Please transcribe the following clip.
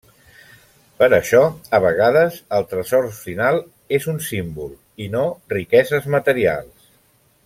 Per això, a vegades el tresor final és un símbol i no riqueses materials.